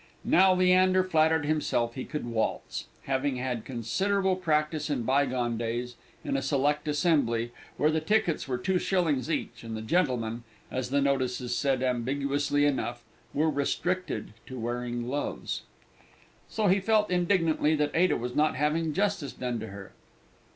Now Leander flattered himself he could waltz having had considerable practice in bygone days in a select assembly, where the tickets were two shillings each, and the gentlemen, as the notices said ambiguously enough, "were restricted to wearing gloves." So he felt indignantly that Ada was not having justice done to her.